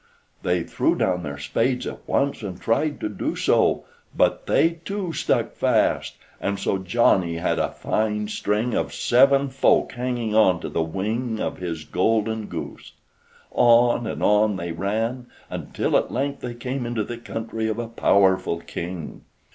They threw down their spades at once and tried to do so, but they too, stuck fast, and so Johnny had a fine string of seven folk hanging on to the wing of his golden goose. On and on they ran, until at length they came into the country of a powerful King.